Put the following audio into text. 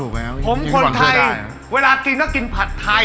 ผมคนไทยเวลากินก็กินผัดไทย